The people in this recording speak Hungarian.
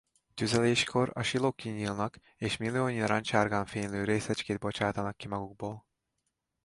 Tüzeléskor a silók kinyílnak és milliónyi narancssárgán fénylő részecskét bocsátanak ki magukból.